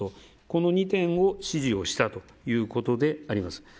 この２点を指示したということであります。